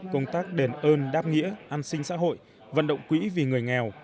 công tác đền ơn đáp nghĩa an sinh xã hội vận động quỹ vì người nghèo